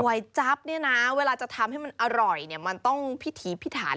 จั๊บเนี่ยนะเวลาจะทำให้มันอร่อยเนี่ยมันต้องพิถีพิถัน